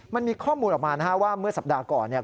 มันมีข้อมูลออกมานะฮะว่าเมื่อสัปดาห์ก่อนเนี่ย